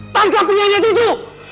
tangkap penyelidik itu